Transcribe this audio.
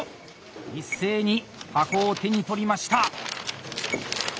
一斉に箱を手に取りました。